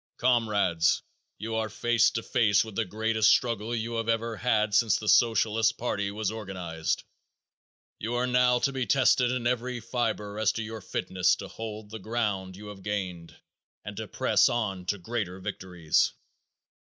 Comrades, you are face to face with the greatest struggle you have ever had since the Socialist party was organized. You are now to be tested in every fiber as to your fitness to hold the ground you have gained and to press on to greater victories.